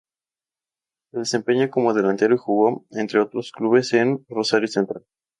Se desempeñaba como delantero y jugó, entre otros clubes, en Rosario Central.